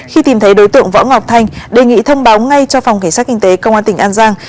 khi tìm thấy đối tượng võ ngọc thanh đề nghị thông báo ngay cho phòng cảnh sát kinh tế công an tỉnh an giang